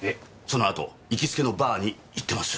そのあと行きつけのバーに行ってます。